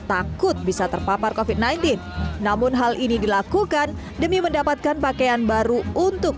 takut bisa terpapar covid sembilan belas namun hal ini dilakukan demi mendapatkan pakaian baru untuk